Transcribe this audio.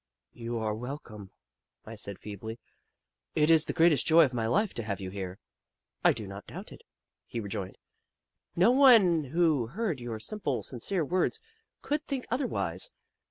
" You are welcome," I said, feebly. " It is the greatest joy of my life to have you here." " I do not doubt it," he rejoined. " No one who heard your simple, sincere words could think otherwise.